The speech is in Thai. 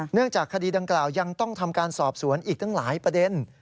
จากคดีดังกล่าวยังต้องทำการสอบสวนอีกตั้งหลายประเด็น